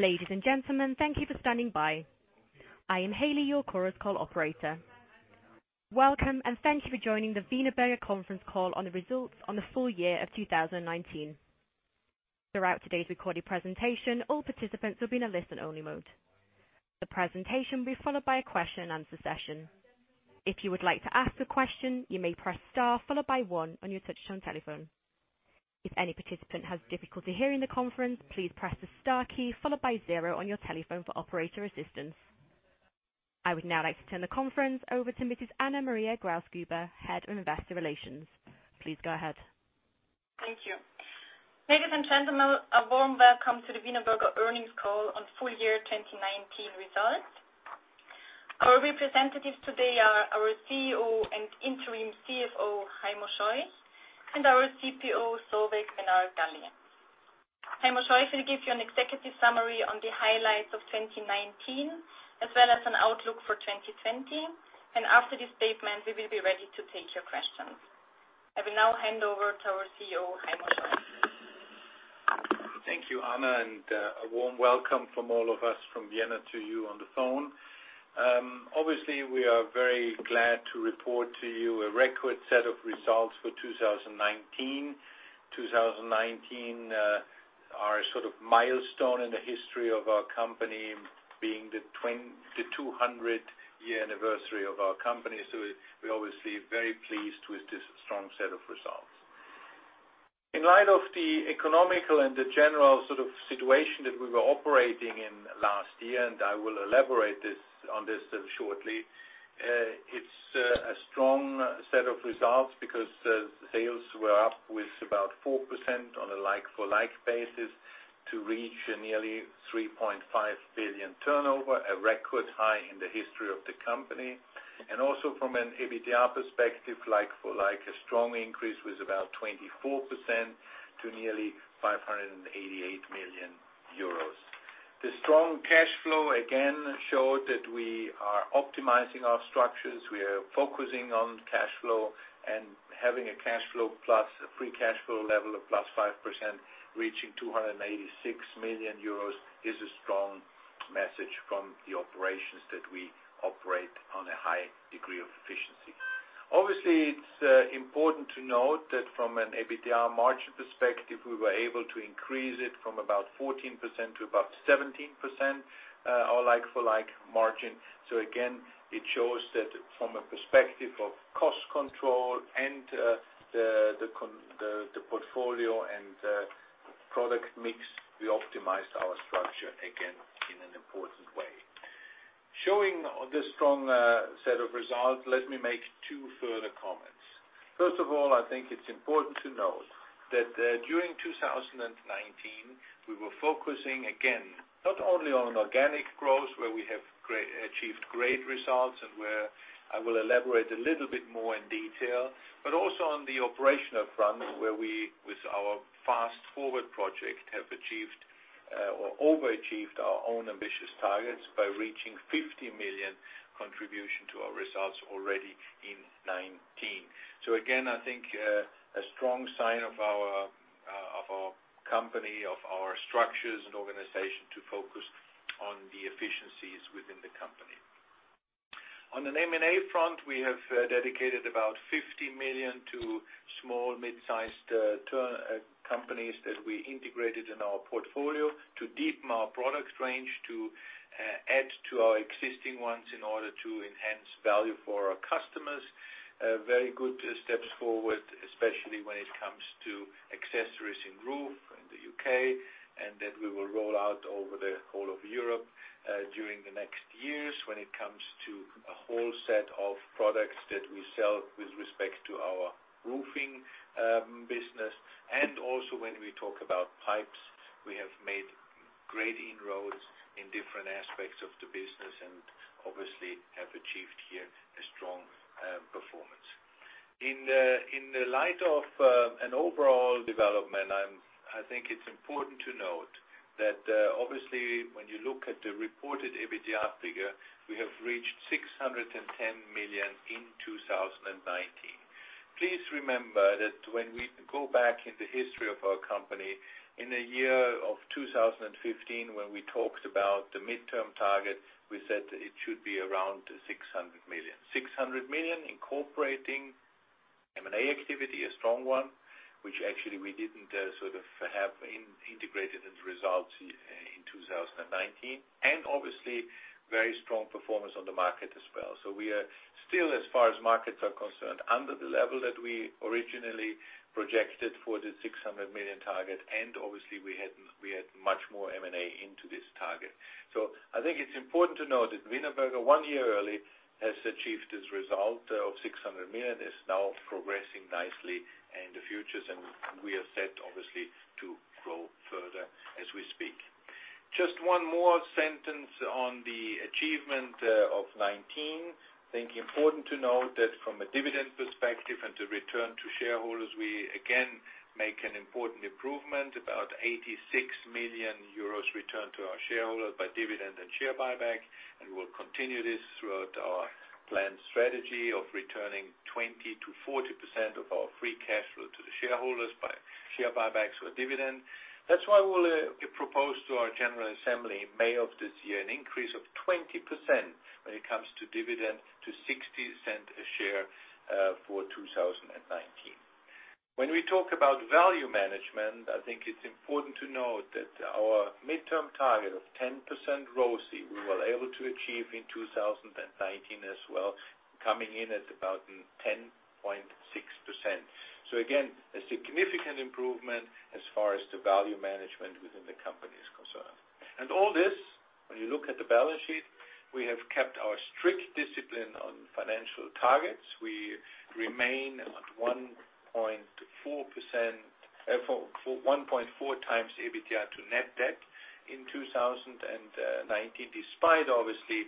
Ladies and gentlemen, thank you for standing by. I am Haley, your Chorus Call operator. Welcome, and thank you for joining the Wienerberger conference call on the results on the full year of 2019. Throughout today's recorded presentation, all participants will be in a listen-only mode. The presentation will be followed by a question-and-answer session. If you would like to ask a question, you may press star, followed by one on your touch-tone telephone. If any participant has difficulty hearing the conference, please press the star key, followed by zero on your telephone for operator assistance. I would now like to turn the conference over to Mrs. Anna Maria Grausgruber, Head of Investor Relations. Please go ahead. Thank you. Ladies and gentlemen, a warm welcome to the Wienerberger earnings call on full year 2019 results. Our representatives today are our CEO and interim CFO, Heimo Scheuch, and our CPO, Solveig Menard-Galli. Heimo Scheuch will give you an executive summary on the highlights of 2019, as well as an outlook for 2020. After this statement, we will be ready to take your questions. I will now hand over to our CEO, Heimo Scheuch. Thank you, Anna, and a warm welcome from all of us from Vienna to you on the phone. We are very glad to report to you a record set of results for 2019. 2019, our sort of milestone in the history of our company being the 200-year anniversary of our company, we're obviously very pleased with this strong set of results. In light of the economic and the general situation that we were operating in last year, I will elaborate on this shortly, it's a strong set of results because sales were up with about 4% on a like-for-like basis to reach a nearly 3.5 billion turnover, a record high in the history of the company. Also from an EBITDA perspective, like-for-like, a strong increase with about 24% to nearly 588 million euros. The strong cash flow again showed that we are optimizing our structures, we are focusing on cash flow and having a cash flow plus a free cash flow level of +5%, reaching 286 million euros, is a strong message from the operations that we operate on a high degree of efficiency. Obviously, it's important to note that from an EBITDA margin perspective, we were able to increase it from about 14% to about 17%, our like-for-like margin. Again, it shows that from a perspective of cost control and the portfolio and product mix, we optimized our structure again in an important way. Showing this strong set of results, let me make two further comments. First of all, I think it's important to note that during 2019, we were focusing again, not only on organic growth, where we have achieved great results and where I will elaborate a little bit more in detail, but also on the operational front, where we, with our Fast Forward project, have achieved or overachieved our own ambitious targets by reaching 50 million contribution to our results already in 2019. Again, I think a strong sign of our company, of our structures and organization to focus on the efficiencies within the company. On an M&A front, we have dedicated about 50 million to small mid-sized companies that we integrated in our portfolio to deepen our product range, to add to our existing ones in order to enhance value for our customers. Very good steps forward, especially when it comes to accessories in roof in the U.K., that we will roll out over the whole of Europe during the next years when it comes to a whole set of products that we sell with respect to our roofing business. Also when we talk about pipes, we have made great inroads in different aspects of the business and obviously have achieved here a strong performance. In the light of an overall development, I think it's important to note that obviously, when you look at the reported EBITDA figure, we have reached 610 million in 2019. Please remember that when we go back in the history of our company, in the year of 2015, when we talked about the midterm target, we said it should be around 600 million. 600 million incorporating M&A activity, a strong one, which actually we didn't have integrated as results in 2019. Obviously very strong performance on the market as well. We are still, as far as markets are concerned, under the level that we originally projected for the 600 million target. Obviously, we had much more M&A into this target. I think it's important to note that Wienerberger, one year early, has achieved this result of 600 million, is now progressing nicely in the futures. We are set, obviously, to grow further as we speak. Just one more sentence on the achievement of 2019. I think important to note that from a dividend perspective and the return to shareholders, we again make an important improvement, about €86 million returned to our shareholders by dividend and share buyback. We'll continue this throughout our planned strategy of returning 20%-40% of our free cash flow to the shareholders by share buybacks or dividend. That's why we'll propose to our general assembly in May of this year an increase of 20% when it comes to dividend to 0.60 a share, for 2019. When we talk about value management, I think it's important to note that our midterm target of 10% ROCE, we were able to achieve in 2019 as well, coming in at about 10.6%. Again, a significant improvement as far as the value management within the company is concerned. All this, when you look at the balance sheet, we have kept our strict discipline on financial targets. We remain at 1.4x EBITDA to net debt in 2019, despite obviously,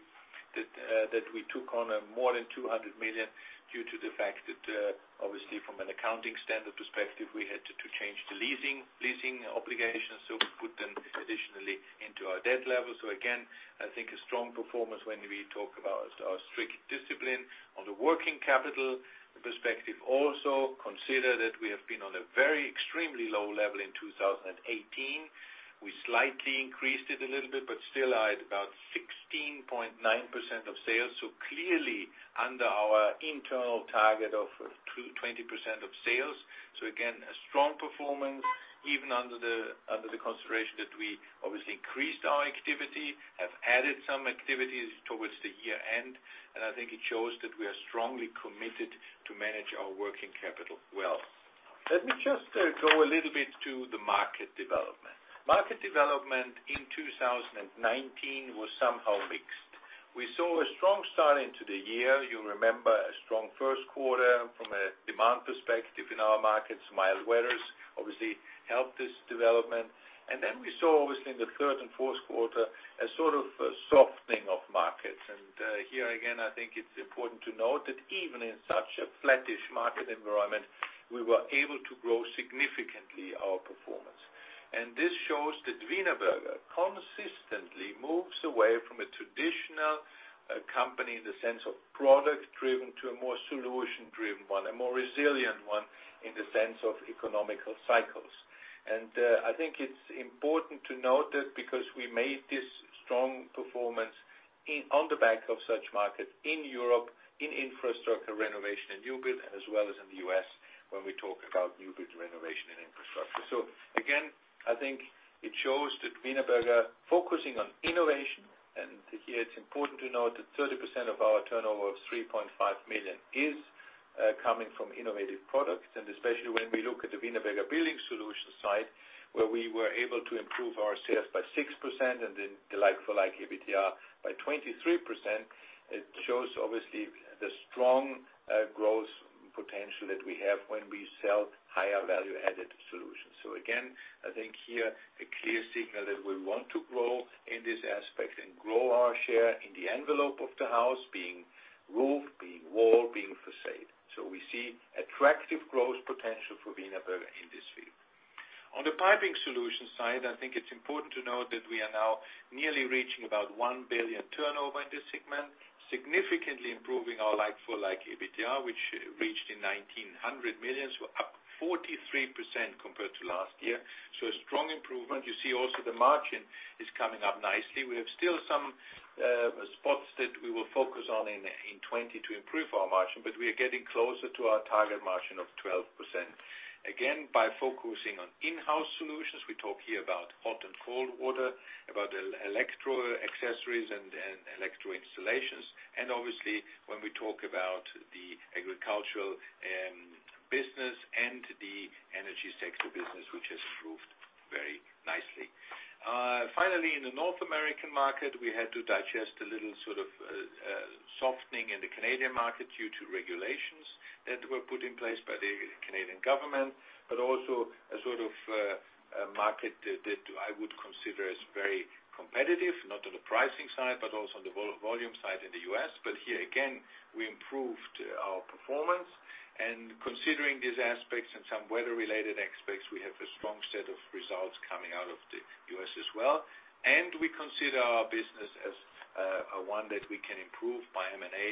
that we took on more than 200 million due to the fact that, obviously from an accounting standard perspective, we had to change the leasing obligations, so we put them additionally into our debt level. Again, I think a strong performance when we talk about our strict discipline. On the working capital perspective also, consider that we have been on a very extremely low level in 2018. We slightly increased it a little bit, but still at about 16.9% of sales. Clearly under our internal target of 20% of sales. Again, a strong performance even under the consideration that we obviously increased our activity, have added some activities towards the year-end, and I think it shows that we are strongly committed to manage our working capital well. Let me just go a little bit to the market development. Market development in 2019 was somehow mixed. We saw a strong start into the year. You remember a strong first quarter from a demand perspective in our markets. Mild weathers obviously helped this development. Then we saw, obviously in the third and fourth quarter, a sort of softening of markets. Here, again, I think it's important to note that even in such a flattish market environment, we were able to grow significantly our performance. This shows that Wienerberger consistently moves away from a traditional company in the sense of product-driven to a more solution-driven one, a more resilient one in the sense of economical cycles. I think it's important to note that because we made this strong performance on the back of such markets in Europe, in infrastructure renovation and new build, as well as in the U.S., when we talk about new build renovation and infrastructure. Again, I think it shows that Wienerberger focusing on innovation, and here it's important to note that 30% of our turnover of 3.5 million is coming from innovative products. Especially when we look at the Wienerberger Building Solutions side, where we were able to improve our sales by 6% and then the like-for-like EBITDA by 23%, it shows obviously the strong growth potential that we have when we sell higher value-added solutions. Again, I think here a clear signal that we want to grow in this aspect and grow our share in the envelope of the house being roof, being wall, being façade. We see attractive growth potential for Wienerberger in this field. On the piping solution side, I think it's important to note that we are now nearly reaching about $1 billion turnover in this segment, significantly improving our like-for-like EBITDA, which reached 1,900 million, up 43% compared to last year. A strong improvement. You see also the margin is coming up nicely. We have still some spots that we will focus on in 2020 to improve our margin, we are getting closer to our target margin of 12%. Again, by focusing on in-house solutions, we talk here about hot and cold water, about electrical accessories and electrical installations, and obviously when we talk about the agricultural business and the energy sector business, which has improved very nicely. Finally, in the North American market, we had to digest a little sort of softening in the Canadian market due to regulations that were put in place by the Canadian government, but also a sort of market that I would consider as very competitive, not on the pricing side, but also on the volume side in the U.S. Here again, we improved our performance, and considering these aspects and some weather-related aspects, we have a strong set of results coming out of the U.S. as well. We consider our business as one that we can improve by M&A,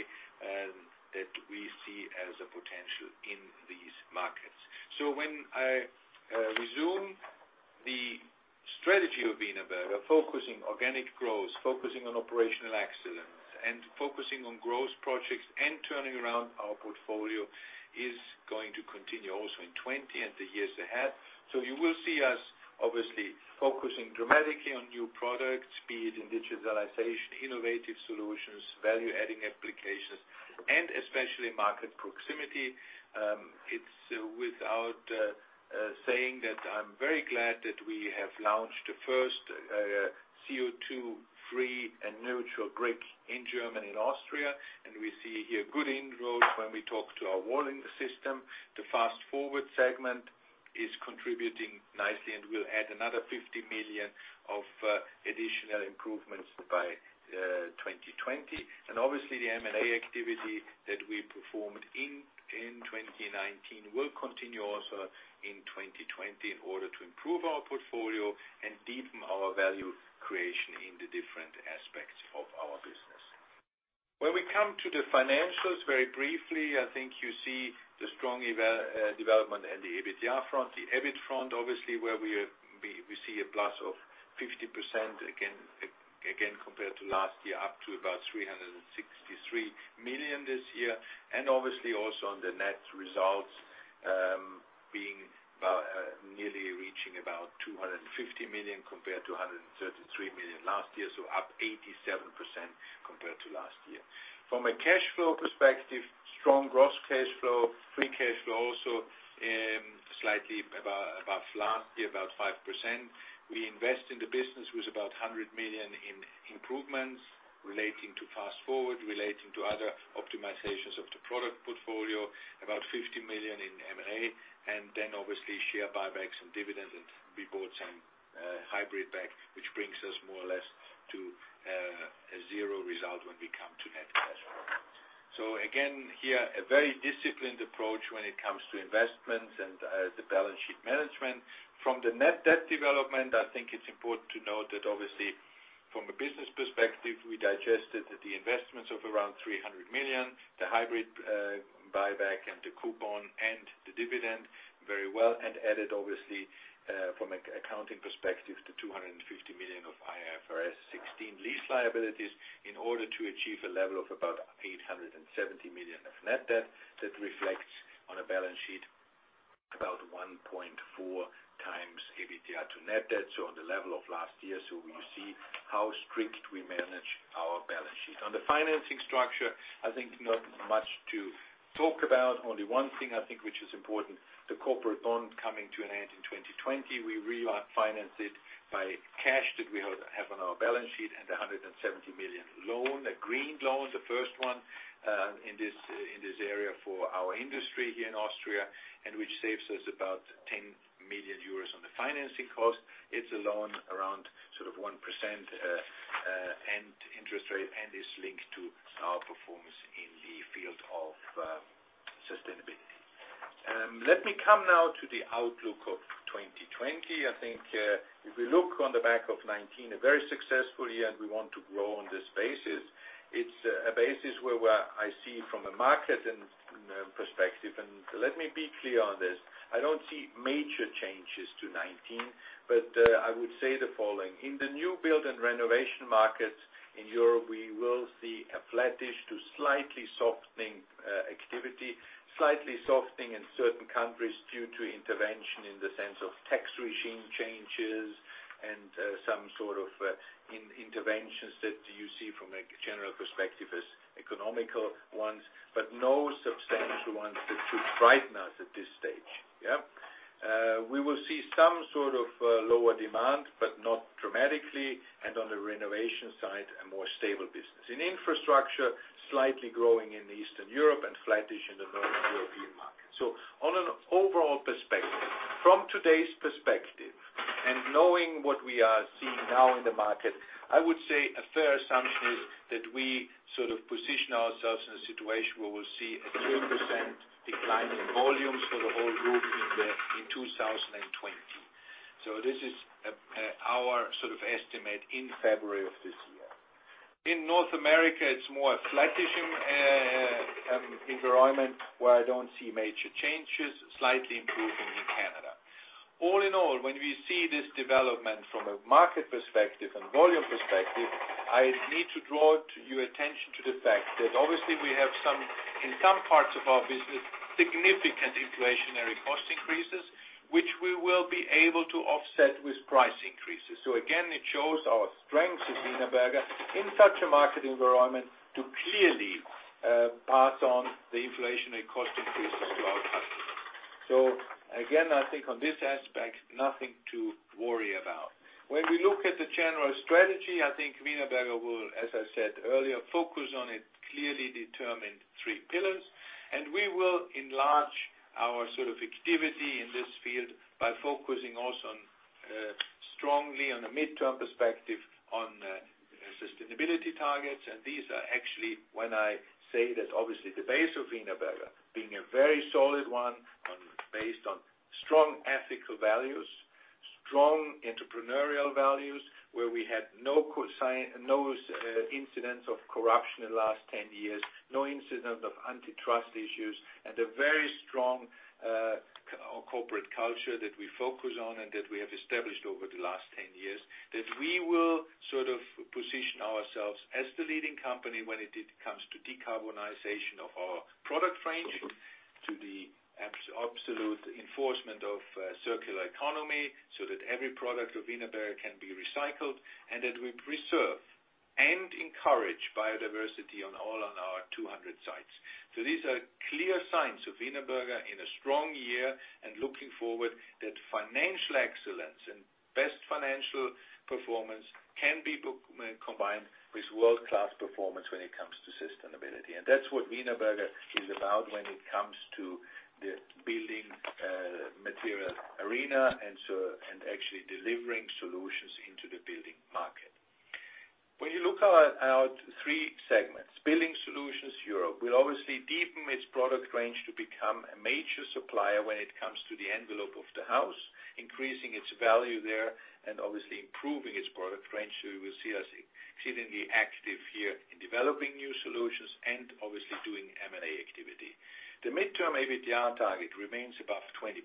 that we see as a potential in these markets. When I resume the strategy of Wienerberger, focusing organic growth, focusing on operational excellence, and focusing on growth projects and turning around our portfolio is going to continue also in 2020 and the years ahead. You will see us obviously focusing dramatically on new products, be it in digitalization, innovative solutions, value-adding applications, and especially market proximity. It's without saying that I'm very glad that we have launched the first CO2-neutral and neutral brick in Germany and Austria. We see here good inroads when we talk to our walling system. The Fast Forward segment is contributing nicely, and we'll add another 50 million of additional improvements by 2020. Obviously the M&A activity that we performed in 2019 will continue also in 2020, in order to improve our portfolio and deepen our value creation in the different aspects of our business. When we come to the financials, very briefly, I think you see the strong development at the EBITDA front. The EBIT front, obviously, where we see a plus of 50% again compared to last year, up to about 363 million this year. Obviously also on the net results nearly reaching about 250 million compared to 133 million last year, up 87% compared to last year. From a cash flow perspective, strong gross cash flow, free cash flow also slightly above last year, about 5%. We invest in the business with about 100 million in improvements relating to Fast Forward, relating to other optimizations of the product portfolio. About 50 million in M&A, then obviously share buybacks and dividends, we bought some hybrid back, which brings us more or less to a zero result when we come to net cash flow. Again, here, a very disciplined approach when it comes to investments and the balance sheet management. From the net debt development, I think it's important to note that obviously, from a business perspective, we digested the investments of around 300 million, the hybrid buyback and the coupon and the dividend very well, and added obviously, from an accounting perspective, the 250 million of IFRS 16 lease liabilities in order to achieve a level of about 870 million of net debt. That reflects on a balance sheet about 1.4x EBITDA to net debt, so on the level of last year. We see how strict we manage our balance sheet. On the financing structure, I think not much to talk about, only one thing I think which is important, the corporate bond coming to an end in 2020. We refinance it by cash that we have on our balance sheet and the 170 million loan, a green loan, the first one in this area for our industry here in Austria, and which saves us about 10 million euros on the financing cost. It's a loan around 1% interest rate and is linked to our performance in the field of sustainability. Let me come now to the outlook of 2020. I think if we look on the back of 2019, a very successful year, and we want to grow on this basis. It's a basis where I see from a market perspective, and let me be clear on this, I don't see major changes to 2019, but I would say the following. In the new build and renovation markets in Europe, we will see a flattish to slightly softening activity, slightly softening in certain countries due to intervention in the sense of tax regime changes and some sort of interventions that you see from a general perspective as economic ones, but no substantial ones that should frighten us at this stage. We will see some sort of lower demand, but not dramatically, and on the renovation side, a more stable business. In infrastructure, slightly growing in Eastern Europe and flattish in the Northern European market. On an overall perspective, from today's perspective and knowing what we are seeing now in the market, I would say a fair assumption is that we position ourselves in a situation where we'll see a 3% decline in volumes for the whole group in 2020. This is our estimate in February of this year. In North America, it's more a flattish environment where I don't see major changes, slightly improving in Canada. All in all, when we see this development from a market perspective and volume perspective, I need to draw your attention to the fact that obviously we have, in some parts of our business, significant inflationary cost increases, which we will be able to offset with price increases. Again, it shows our strength as Wienerberger in such a market environment to clearly pass on the inflationary cost increases to our customers. Again, I think on this aspect, nothing to worry about. When we look at the general strategy, I think Wienerberger will, as I said earlier, focus on a clearly determined three pillars. We will enlarge our activity in this field by focusing also strongly on a midterm perspective on sustainability targets. These are actually when I say that obviously the base of Wienerberger being a very solid one based on strong ethical values, strong entrepreneurial values, where we had no incidents of corruption in the last 10 years, no incidents of antitrust issues, and a very strong corporate culture that we focus on and that we have established over the last 10 years. That we will position ourselves as the leading company when it comes to decarbonization of our product range. To the absolute enforcement of circular economy so that every product of Wienerberger can be recycled and that we preserve and encourage biodiversity on all our 200 sites. These are clear signs of Wienerberger in a strong year and looking forward that financial excellence and best financial performance can be combined with world-class performance when it comes to sustainability. That's what Wienerberger is about when it comes to the building material arena and actually delivering solutions into the building market. When you look at our three segments, Building Solutions Europe will obviously deepen its product range to become a major supplier when it comes to the envelope of the house, increasing its value there and obviously improving its product range. You will see us exceedingly active here in developing new solutions and obviously doing M&A activity. The midterm EBITDA target remains above 20%,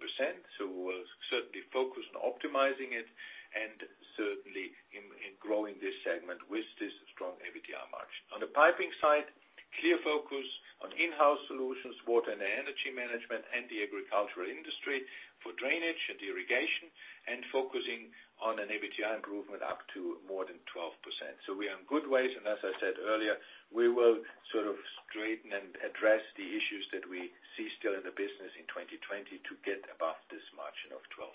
so we'll certainly focus on optimizing it and certainly in growing this segment with this strong EBITDA margin. On the piping side, clear focus on in-house solutions, water and energy management and the agricultural industry for drainage and irrigation, and focusing on an EBITDA improvement up to more than 12%. We are in good ways, and as I said earlier, we will sort of straighten and address the issues that we see still in the business in 2020 to get above this margin of 12%.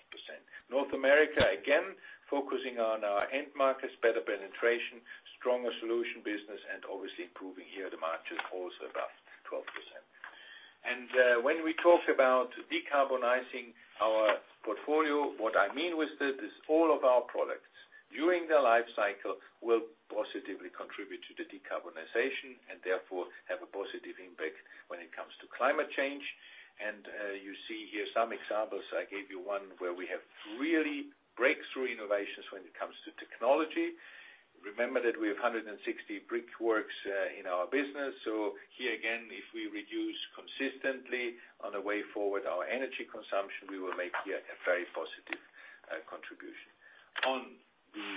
North America, again, focusing on our end markets, better penetration, stronger solution business and obviously improving here the margins also above 12%. When we talk about decarbonizing our portfolio, what I mean with it is all of our products during their life cycle will positively contribute to the decarbonization and therefore have a positive impact when it comes to climate change. You see here some examples. I gave you one where we have really breakthrough innovations when it comes to technology. Remember that we have 160 brickworks in our business. Here again, if we reduce consistently on the way forward our energy consumption, we will make here a very positive contribution. On the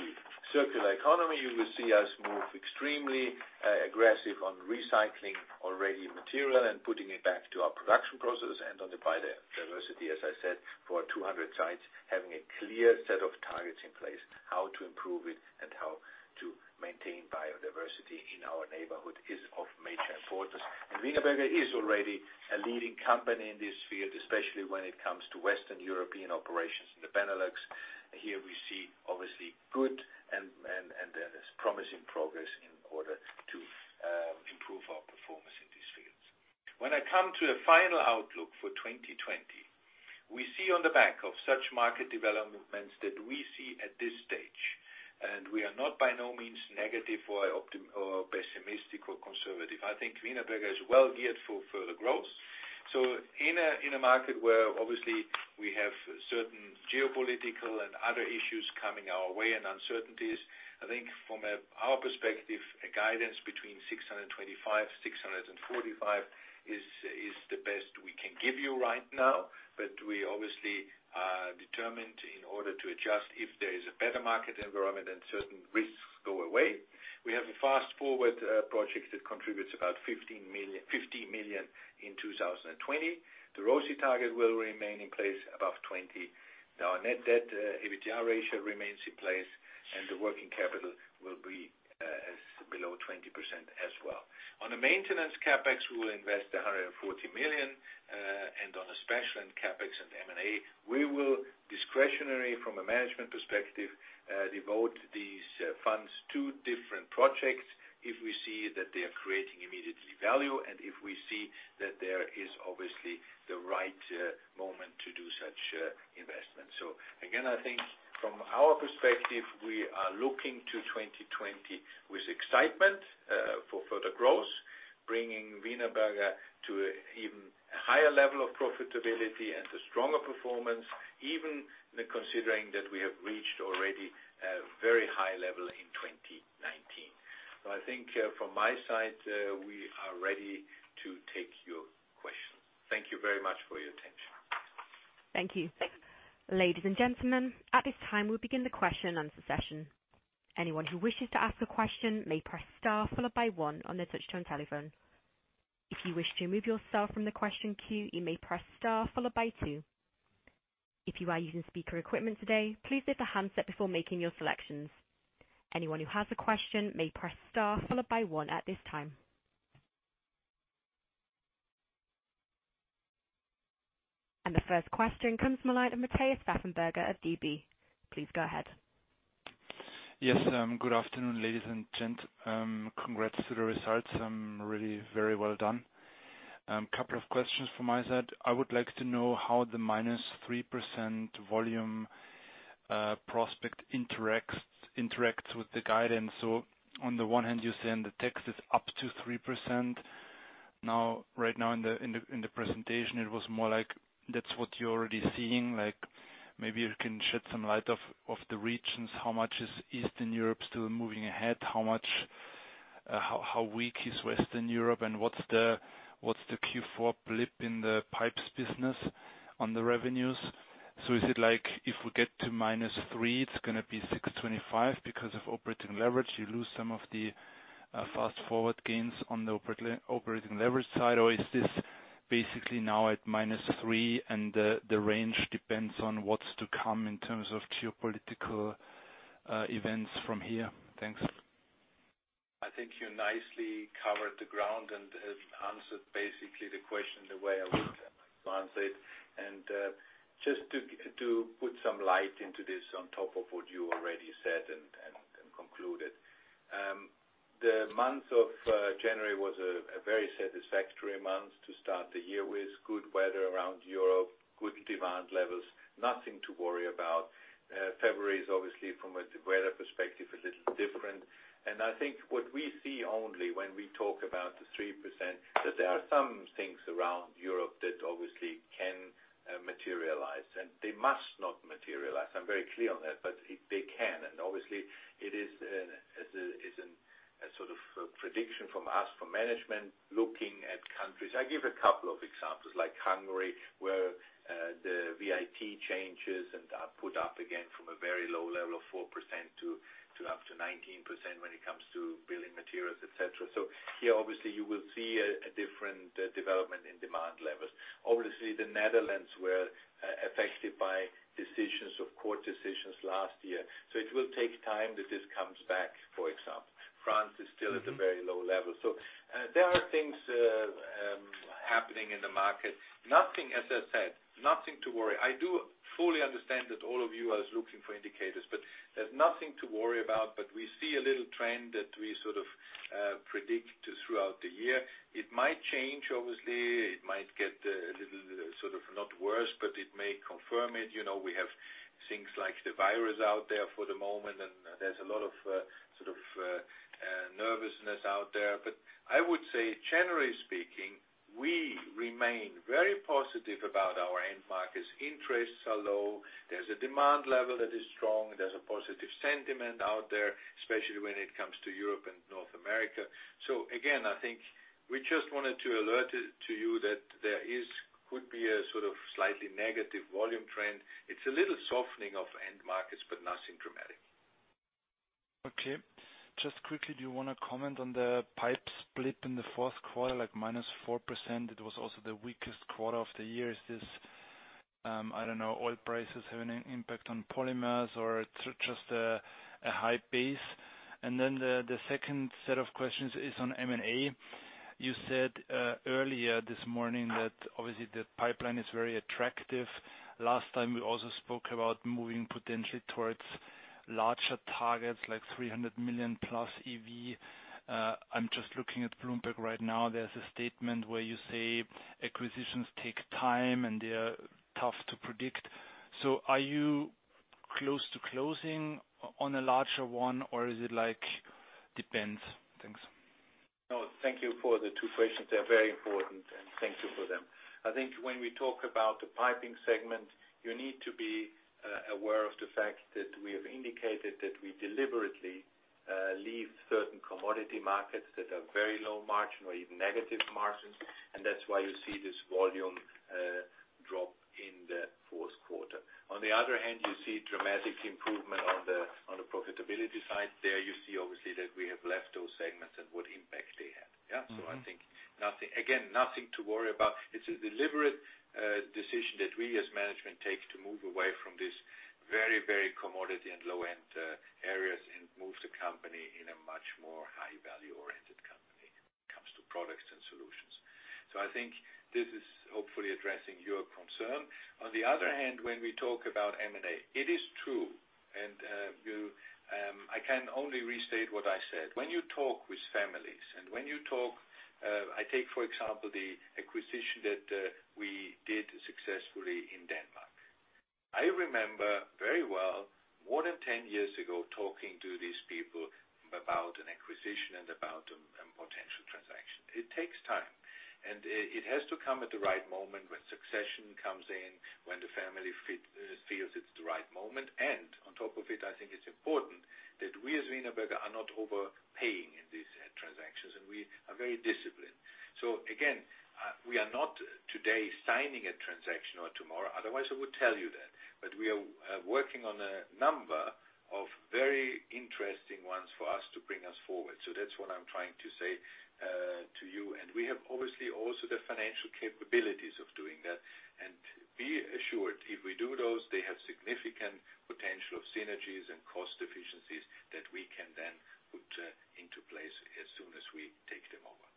circular economy, you will see us move extremely aggressive on recycling already material and putting it back to our production process and on the biodiversity, as I said, for 200 sites, having a clear set of targets in place, how to improve it and how to maintain biodiversity in our neighborhood is of major importance. Wienerberger is already a leading company in this field, especially when it comes to Western European operations in the Benelux. Here we see obviously good and promising progress in order to improve our performance in these fields. When I come to the final outlook for 2020, we see on the back of such market developments that we see at this stage, and we are not by no means negative or pessimistic or conservative. I think Wienerberger is well geared for further growth. In a market where obviously we have certain geopolitical and other issues coming our way and uncertainties, I think from our perspective, a guidance between 625 million and 645 million is the best we can give you right now. We obviously are determined in order to adjust if there is a better market environment and certain risks go away. We have a Fast Forward project that contributes about 50 million in 2020. The ROCE target will remain in place above 20%. Our net debt EBITDA ratio remains in place, and the working capital will be below 20% as well. On a maintenance CapEx, we will invest 140 million, and on a special CapEx and M&A, we will discretionary from a management perspective, devote these funds to different projects if we see that they are creating immediately value and if we see that there is obviously the right moment to do such investment. Again, I think from our perspective, we are looking to 2020 with excitement for further growth, bringing Wienerberger to an even higher level of profitability and a stronger performance, even considering that we have reached already a very high level in 2019. I think from my side, we are ready to take your questions. Thank you very much for your attention. Thank you. Ladies and gentlemen, at this time, we'll begin the question-and-answer session. Anyone who wishes to ask a question may press star followed by one on their touch-tone telephone. If you wish to remove yourself from the question queue, you may press star followed by two. If you are using speaker equipment today, please lift the handset before making your selections. Anyone who has a question may press star followed by one at this time. The first question comes from the line of Matthias Pfeifenberger of DB. Please go ahead. Yes. Good afternoon, ladies and gents. Congrats to the results. Really very well done. Couple of questions from my side. I would like to know how the -3% volume prospect interacts with the guidance. On the one hand, you're saying the tax is up to 3%. Right now in the presentation, it was more like that's what you're already seeing. Maybe you can shed some light of the regions. How much is Eastern Europe still moving ahead? How weak is Western Europe? What's the Q4 blip in the pipes business? On the revenues. Is it like, if we get to -3%, it's going to be 625 million because of operating leverage, you lose some of the Fast Forward gains on the operating leverage side, or is this basically now at -3% and the range depends on what's to come in terms of geopolitical events from here? Thanks. I think you nicely covered the ground and answered basically the question the way I would have answered it. Just to put some light into this on top of what you already said and concluded. The month of January was a very satisfactory month to start the year with. Good weather around Europe, good demand levels, nothing to worry about. February is obviously, from a weather perspective, a little different. I think what we see only when we talk about the 3%, that there are some things around Europe that obviously can materialize, and they must not materialize. I'm very clear on that, but they can, and obviously it is a sort of prediction from us, from management looking at countries. I give a couple of examples like Hungary, where the VAT changes and are put up again from a very low level of 4% to up to 19% when it comes to building materials, et cetera. Here, obviously, you will see a different development in demand levels. Obviously, the Netherlands were affected by decisions of court decisions last year. It will take time that this comes back, for example. France is still at a very low level. There are things happening in the market. Nothing, as I said, nothing to worry. I do fully understand that all of you are looking for indicators. There's nothing to worry about. We see a little trend that we sort of predict throughout the year. It might change, obviously. It might get a little, sort of, not worse. It may confirm it. We have things like the virus out there for the moment, and there's a lot of nervousness out there. I would say generally speaking, we remain very positive about our end markets. Interests are low. There's a demand level that is strong. There's a positive sentiment out there, especially when it comes to Europe and North America. Again, I think we just wanted to alert you that there could be a sort of slightly negative volume trend. It's a little softening of end markets, but nothing dramatic. Okay. Just quickly, do you want to comment on the pipe split in the fourth quarter, like -4%? It was also the weakest quarter of the year. Is this, I don't know, oil prices have an impact on polymers or just a high base? The second set of questions is on M&A. You said earlier this morning that obviously the pipeline is very attractive. Last time we also spoke about moving potentially towards larger targets like $300 million-plus EV. I'm just looking at Bloomberg right now. There's a statement where you say acquisitions take time and they are tough to predict. Are you close to closing on a larger one or is it like depends? Thanks. No, thank you for the two questions. They are very important and thank you for them. I think when we talk about the piping segment, you need to be aware of the fact that we have indicated that we deliberately leave certain commodity markets that are very low margin or even negative margins, and that's why you see this volume drop in the fourth quarter. You see dramatic improvement on the profitability side. There you see obviously that we have left those segments and what impact they had. Yeah? I think, again, nothing to worry about. It's a deliberate decision that we as management take to move away from this very commodity and low-end areas and move the company in a much more high-value-oriented company when it comes to products and solutions. I think this is hopefully addressing your concern. On the other hand, when we talk about M&A, it is true, and I can only restate what I said. When you talk with families and when you talk, I take, for example, the acquisition that we did successfully in Denmark. I remember very well more than 10 years ago talking to these people about an acquisition and about a potential transaction. It takes time, and it has to come at the right moment when succession comes in, when the family feels it's the right moment. On top of it, I think it's important that we as Wienerberger are not overpaying in these transactions, and we are very disciplined. Again, we are not today signing a transaction or tomorrow. Otherwise, I would tell you that. We are working on a number of very interesting ones for us to bring us forward. That's what I'm trying to say to you. We have obviously also the financial capabilities of doing that. Be assured, if we do those, they have significant potential synergies and cost efficiencies that we can then put into place as soon as we take them over.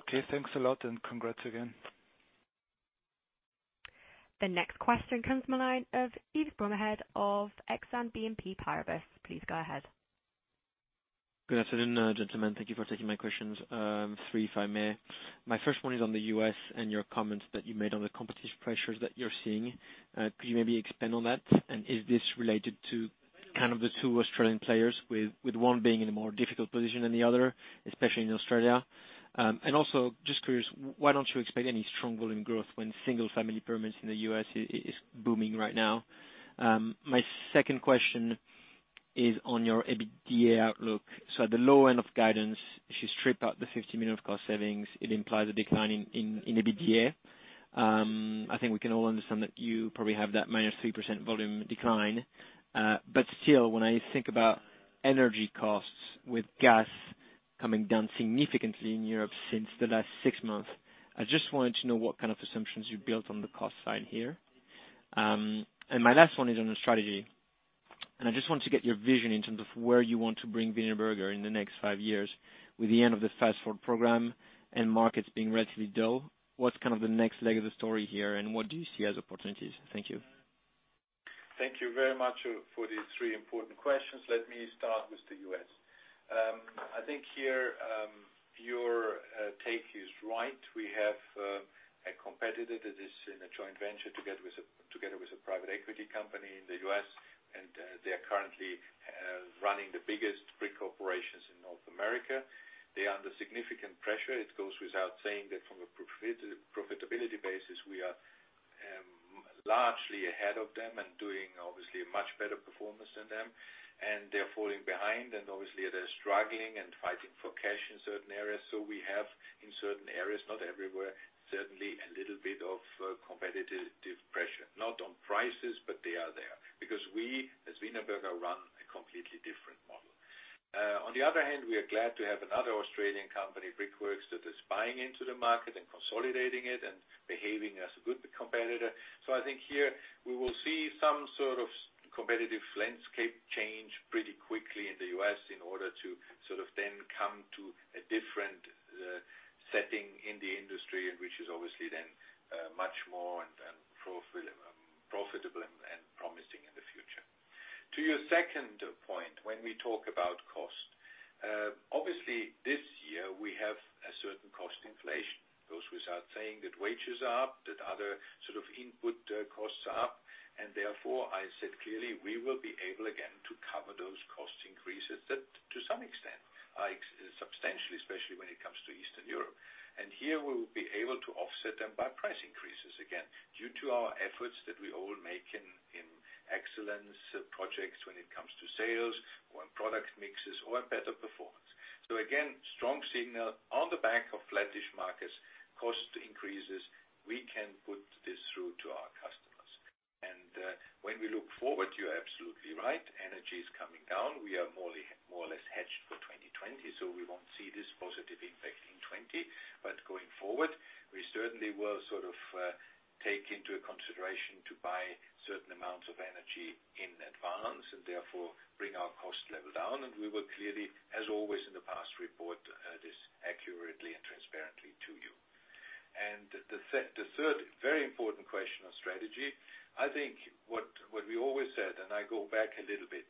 Okay, thanks a lot and congrats again. The next question comes from the line of Yves Bromehead of Exane BNP Paribas. Please go ahead. Good afternoon, gentlemen. Thank you for taking my questions. Three, if I may. My first one is on the U.S. and your comments that you made on the competition pressures that you're seeing. Could you maybe expand on that? Is this related to kind of the two Australian players with one being in a more difficult position than the other, especially in Australia? Also just curious, why don't you expect any strong volume growth when single-family permits in the U.S. is booming right now? My second question is on your EBITDA outlook. At the low end of guidance, if you strip out the 50 million of cost savings, it implies a decline in EBITDA. I think we can all understand that you probably have that -3% volume decline. Still, when I think about energy costs with gas coming down significantly in Europe since the last six months, I just wanted to know what kind of assumptions you've built on the cost side here. My last one is on the strategy, I just want to get your vision in terms of where you want to bring Wienerberger in the next five years. With the end of the Fast Forward program and markets being relatively dull, what's the next leg of the story here, and what do you see as opportunities? Thank you. Thank you very much for these three important questions. Let me start with the U.S. I think here, your take is right. We have a competitor that is in a joint venture together with a private equity company in the U.S., and they are currently running the biggest brick operations in North America. They are under significant pressure. It goes without saying that from a profitability basis, we are largely ahead of them and doing obviously a much better performance than them. They're falling behind, and obviously, they're struggling and fighting for cash in certain areas. We have, in certain areas, not everywhere, certainly a little bit of competitive pressure. Not on prices, but they are there because we, as Wienerberger, run a completely different model. On the other hand, we are glad to have another Australian company, Brickworks, that is buying into the market and consolidating it and behaving as a good competitor. I think here, we will see some sort of competitive landscape change pretty quickly in the U.S. in order to then come to a different setting in the industry, and which is obviously then much more and profitable and promising in the future. To your second point, when we talk about cost. Obviously, this year we have a certain cost inflation. It goes without saying that wages are up, that other input costs are up, and therefore I said, clearly, we will be able again to cover those cost increases to some extent, substantially, especially when it comes to Eastern Europe. Here, we will be able to offset them by price increases again, due to our efforts that we all make in excellence projects when it comes to sales or in product mixes or in better performance. Again, strong signal on the back of flattish markets, cost increases, we can put this through to our customers. When we look forward, you're absolutely right. Energy is coming down. We are more or less hedged for 2020, so we won't see this positive effect in 2020. Going forward, we certainly will take into consideration to buy certain amounts of energy in advance and therefore bring our cost level down, and we will clearly, as always in the past, report this accurately and transparently to you. The third very important question on strategy, I think what we always said, and I go back a little bit.